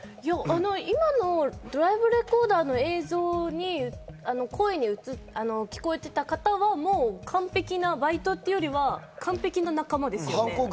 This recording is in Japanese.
今のドライブレコーダーの映像に声が聞こえていた方は完璧なバイトというよりは、完璧な仲間ですよね。